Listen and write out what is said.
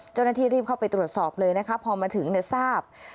เจ้าหน้าที่รีบเข้าไปตรวจสอบเลยนะคะพอมาถึงทราบ